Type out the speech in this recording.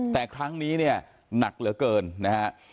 แต่ครั้งนี้เนี่ยหนักเหลือเกินนะฮะ